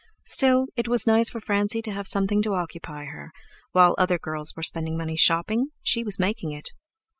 Still, it was nice for Francie to have something to occupy her; while other girls were spending money shopping she was making it!